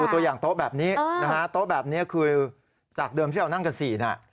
ตัวอย่างโต๊ะแบบนี้นะฮะโต๊ะแบบนี้คือจากเดิมที่เรานั่งกัน๔น่ะ